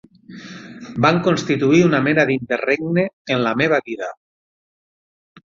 Van constituir una mena d'interregne en la meva vida